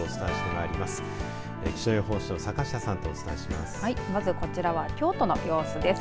はい、まずこちらは京都の様子です。